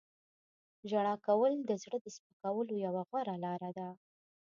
• ژړا کول د زړه د سپکولو یوه غوره لاره ده.